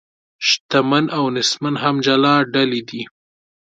شتمن او نیستمن هم جلا ډلې دي.